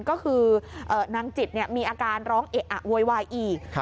ก็คือนางจิตมีอาการร้องเอะอะโวยวายอีก